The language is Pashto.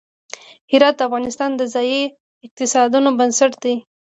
هرات د افغانستان د ځایي اقتصادونو بنسټ دی.